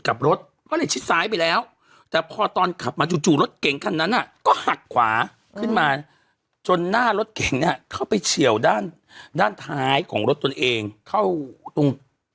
อ่าสรุปว่าคุณทวีเป็นคนขับชนอีกเหมือนเดิมค่ะทวีขับช